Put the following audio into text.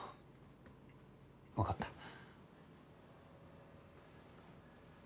わかった。